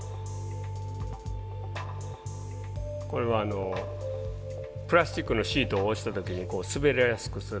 これはプラスチックのシートを押した時に滑りやすくするために。